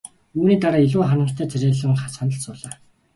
Үүний дараа илүү ханамжтай царайлан сандалд суулаа.